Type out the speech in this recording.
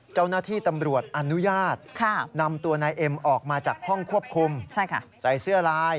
เจ้าหน้าที่ตำรวจอนุญาตนำตัวนายเอ็มออกมาจากห้องควบคุมใส่เสื้อลาย